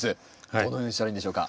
どのようにしたらいいんでしょうか？